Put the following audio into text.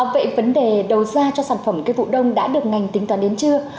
vậy vấn đề đầu ra cho sản phẩm cây vụ đông đã được ngành tính toàn đến chưa